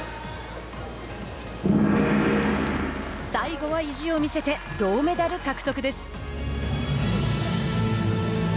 最後は意地を見せて銅メダル獲得です。